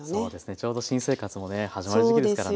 ちょうど新生活もね始まる時期ですからね。